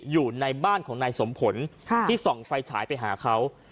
อยู่ในบ้านของนายสมผลที่ส่องไฟฉายไปหาเขา